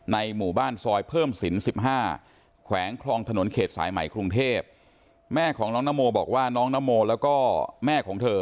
หมู่บ้านซอยเพิ่มสิน๑๕แขวงคลองถนนเขตสายใหม่กรุงเทพแม่ของน้องนโมบอกว่าน้องนโมแล้วก็แม่ของเธอ